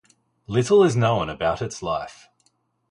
Little is known about its life.